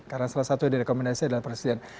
karena salah satu yang direkomendasikan adalah presiden